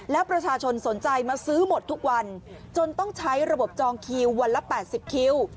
แล้วประชาชนสนใจมาซื้อหมดทุกวันจนต้องใช้ระบบจองคิววันละ๘๐คิว